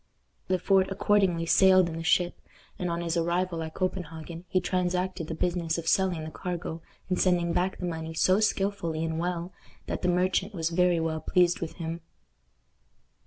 Le Fort accordingly sailed in the ship, and on his arrival at Copenhagen he transacted the business of selling the cargo and sending back the money so skillfully and well that the merchant was very well pleased with him.